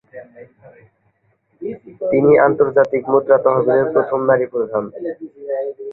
তিনি আন্তর্জাতিক মুদ্রা তহবিলের প্রথম নারী প্রধান।